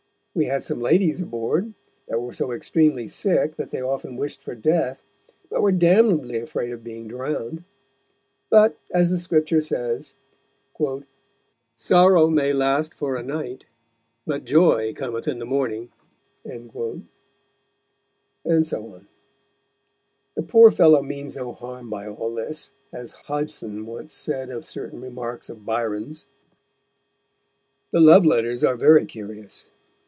We had some Ladies aboard, that were so extremely sick, that they often wished for Death, but were damnably afraid of being drown'd. But, as the Scripture says, 'Sorrow may last for a Night, but Joy cometh in the Morning,'" and so on. The poor fellow means no harm by all this, as Hodgson once said of certain remarks of Byron's. The love letters are very curious.